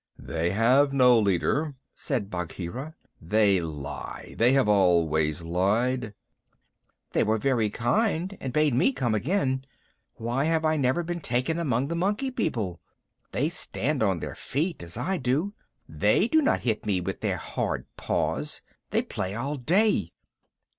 "They have no leader," said Bagheera. "They lie. They have always lied." "They were very kind and bade me come again. Why have I never been taken among the Monkey People? They stand on their feet as I do. They do not hit me with their hard paws. They play all day.